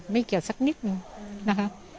ไม่เกี่ยวสักนิดนึงนะคะ